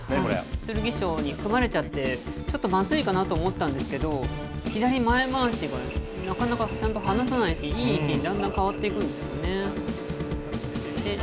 剣翔に組まれちゃって、ちょっとまずいかなと思ったんですけど、左前まわし、なかなかちゃんと離さないし、いい位置にだんだん変わっていくんですよね。